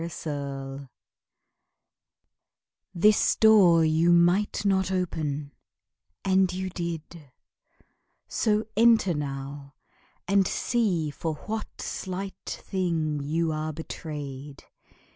VI Bluebeard This door you might not open, and you did; So enter now, and see for what slight thing You are betrayed.